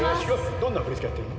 どんな振り付けやってんの？